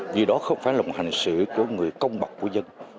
vì đó không phải là một hành xử của người công bằng của dân